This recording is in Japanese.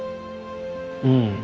うん。